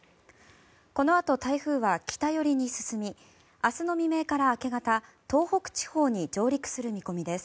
このあと台風は北寄りに進み明日の未明から明け方東北地方に上陸する見込みです。